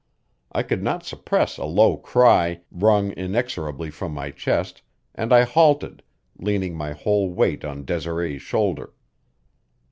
I could not suppress a low cry, wrung inexorably from my chest, and I halted, leaning my whole weight on Desiree's shoulder.